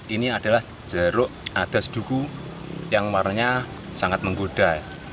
ini adalah jeruk adas duku yang warnanya sangat menggoda